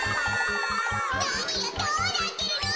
なにがどうなってるの！